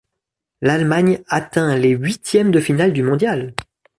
L'Allemagne atteint les huitièmes de finale du mondial.